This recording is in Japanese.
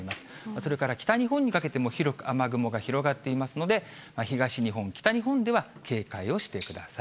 それから北日本にかけても広く雨雲が広がっていますので、東日本、北日本では警戒をしてください。